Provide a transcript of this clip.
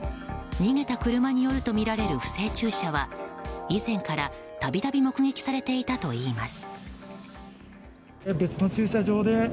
逃げた車によるとみられる不正駐車は以前から、度々目撃されていたといいます。